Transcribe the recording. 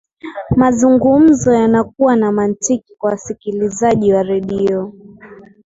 mazungumzo yanakuwa na mantiki kwa wasikilizaji wa redio